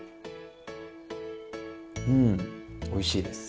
うんおいしいです。